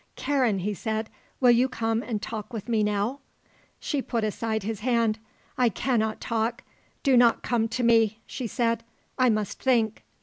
"Karen," he said, "will you come and talk with me, now?" She put aside his hand. "I cannot talk. Do not come to me," she said. "I must think."